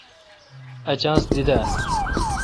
اؘ چانس دی درا۔